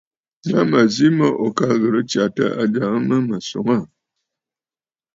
La mə̀ zi mə ò ka ghɨ̀rə tsyàtə ajàŋə mə mə̀ swòŋə aà.